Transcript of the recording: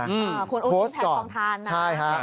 อุ้งอิงใช้ความทานนะเลยนะครับ